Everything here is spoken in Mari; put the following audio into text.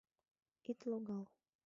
Ит логал!